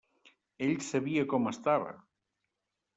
Ell sabia com estava!